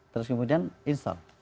terus kemudian install